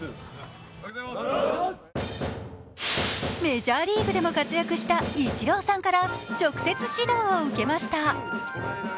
メジャーリーグでも活躍したイチローさんから直接、指導を受けました。